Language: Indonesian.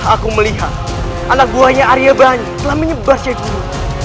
aku melihat anak buahnya aryabani telah menyebar sey guru